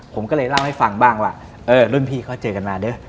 ผมก็เลยเล่าให้ฟังบ้างว่าเออรุ่นพี่เขาเจอกันมาเด้อ